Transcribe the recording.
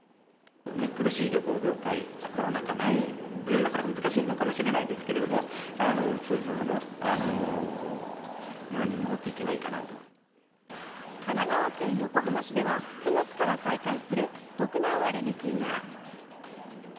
苦しい旅行業界、コロナ禍前には、なかなか難しいのかもしれないですけど、通常のものに戻っていけ神奈川県横浜市では、９月から再開するお得な割引が。